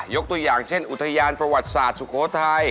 ตัวอย่างเช่นอุทยานประวัติศาสตร์สุโขทัย